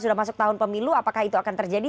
sudah masuk tahun pemilu apakah itu akan terjadi